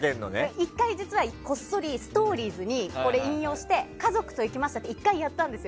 １回、こっそりストーリーにこれ引用して家族と行きましたって１回やったんですよ。